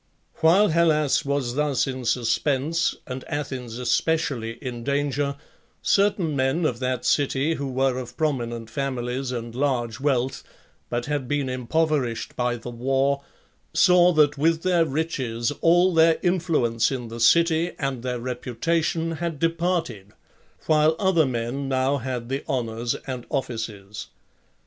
XIII. While Hellas was thus in suspense and Athens especially in danger, certain men of' that city who were of prominent families and large wealth, but had been impoverished by the war, saw that with their riches all their influence in the city and their reputation had departed, while other men now had the honours and offices.